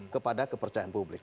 kepada kepercayaan publik